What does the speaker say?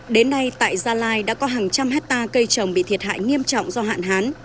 đến nay tại gia lai đã có hàng trăm hectare cây trồng bị thiệt hại nghiêm trọng do hạn hán